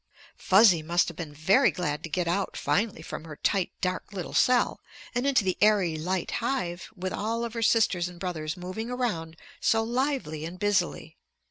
Fuzzy must have been very glad to get out finally from her tight, dark, little cell and into the airy, light hive, with all of her sisters and brothers moving around so lively and busily.